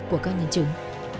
của các nhân chứng